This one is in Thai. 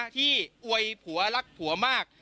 อวยผัวรักผัวมาก